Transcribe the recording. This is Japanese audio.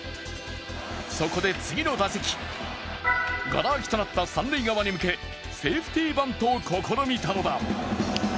そこで次の打席、がら空きとなった三塁側に向けセーフティーバントを試みたのだ。